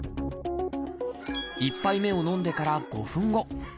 １杯目を飲んでから５分後。